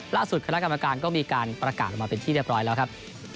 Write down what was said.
คณะกรรมการก็มีการประกาศออกมาเป็นที่เรียบร้อยแล้วครับ